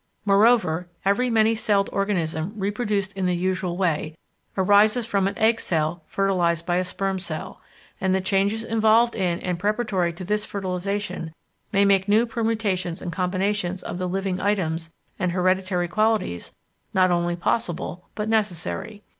Moreover, every many celled organism reproduced in the usual way, arises from an egg cell fertilised by a sperm cell, and the changes involved in and preparatory to this fertilisation may make new permutations and combinations of the living items and hereditary qualities not only possible but necessary.